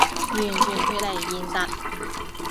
完全脫離現實